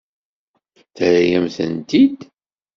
Terra-yam-tent-id.